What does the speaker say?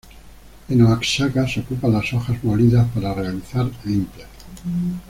En Oaxaca se ocupan las hojas molidas para realizar limpias.